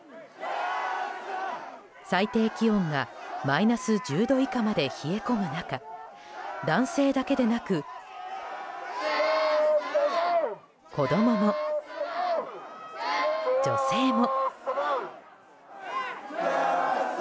最低気温がマイナス１０度以下まで冷え込む中男性だけでなく子供も、女性も。